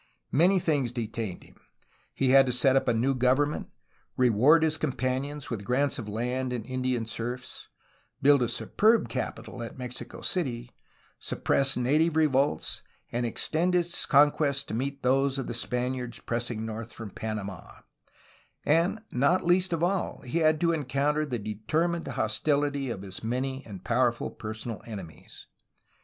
Many things detained him. He had to set up a new government, reward his companions with grants of land and Indian serfs, build a superb capital at Mexico City, suppress native revolts and extend his con quests to meet those of the Spaniards pressing north from Panama, and, not least of all, he had to encounter the de termined hostility of his many and powerful personal ene mies.